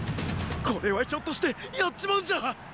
これはひょっとして殺っちまうんじゃ！